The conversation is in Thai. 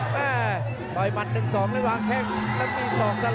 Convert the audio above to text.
ผ่านไปสี่ยกต้องบอกว่าคู่นี้แรกกันสนุกครับ